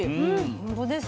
ほんとですね。